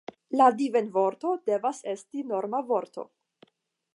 La divenvorto devas esti norma vorto.